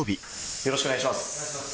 よろしくお願いします。